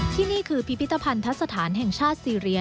ที่นี่คือพิพิธภัณฑสถานแห่งชาติซีเรีย